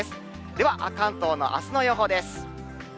では関東のあすの予報です。